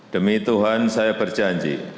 demi tuhan saya berjanji